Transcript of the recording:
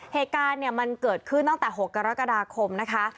เหตุการณ์เนี่ยมันเกิดขึ้นตั้งแต่๖กรกฎาคมนะคะ